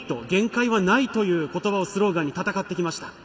限界はないという言葉をスローガンに戦ってきました。